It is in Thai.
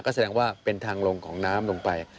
ก็แสดงว่าเป็นทางลงของน้ำลงไป